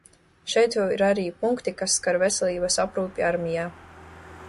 Šeit vēl ir arī punkti, kas skar veselības aprūpi armijā.